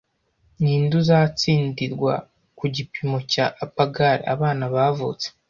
Ninde uzatsindirwa ku gipimo cya Apgar Abana bavutse